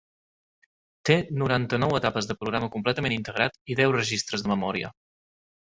Té noranta-nou etapes de programa completament integrat i deu registres de memòria.